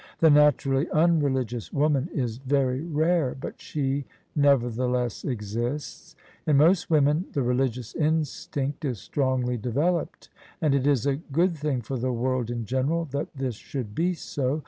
The naturally un religious woman is very rare; but she nevertheless exists. In most women the religious instinct is strongly developed: and it is a good thing for the world in general that this should be so.